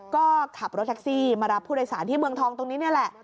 ก็ขับรถแท็กซี่มารับผู้โดยสารที่เมืองทองตรงนี้นี่แหละ